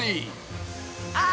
あ！